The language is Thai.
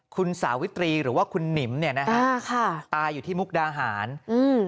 คุณสาวิตรีหรือว่าคุณหนิมเนี้ยนะฮะอ่าค่ะตายอยู่ที่มุกดาหารอืม